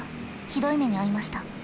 ひどい目に遭いました。